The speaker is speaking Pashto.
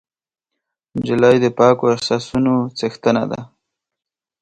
نجلۍ د پاکو احساسونو څښتنه ده.